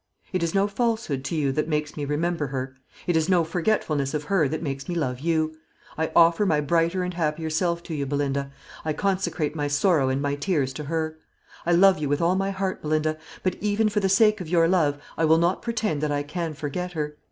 It is no falsehood to you that makes me remember her; it is no forgetfulness of her that makes me love you. I offer my brighter and happier self to you, Belinda; I consecrate my sorrow and my tears to her. I love you with all my heart, Belinda; but even for the sake of your love I will not pretend that I can forget her.